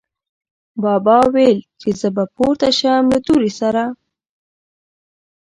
بابا ویل، چې زه به پورته شم له تورې سره